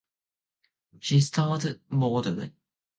She started modeling.